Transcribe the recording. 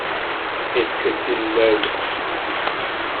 It could do no more.